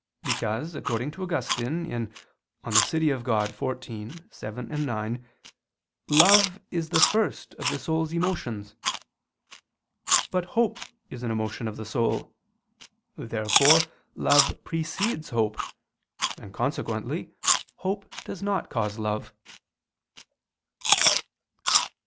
Because, according to Augustine (De Civ. Dei xiv, 7, 9), love is the first of the soul's emotions. But hope is an emotion of the soul. Therefore love precedes hope, and consequently hope does not cause love.